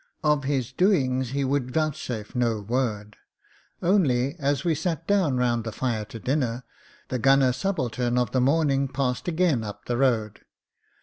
Of his doings he would vouchsafe no word. Only, as we sat down round the fire to dinner, the gunner subaltern of the morning passed again up the road.